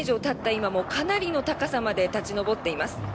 今もかなりの高さまで立ち上っています。